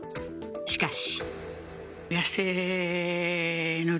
しかし。